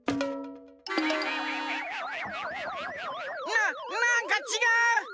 ななんかちがう。